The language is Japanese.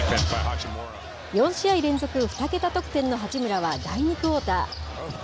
４試合連続２桁得点の八村は第２クオーター。